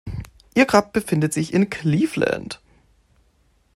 Ihr Grab befindet sich in Cleveland.